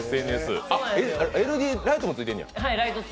ＬＥＤライトもついてるんや。